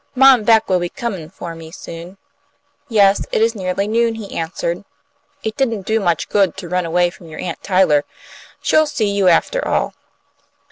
"Mom Beck will be comin' for me soon." "Yes, it is nearly noon," he answered. "It didn't do much good to run away from your Aunt Tyler; she'll see you after all."